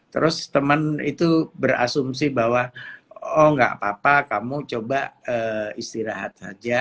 terus teman itu berasumsi bahwa oh enggak apa apa kamu coba istirahat saja